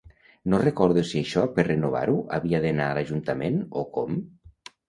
No recordo si això per renovar-ho havia d'anar a l'ajuntament o com?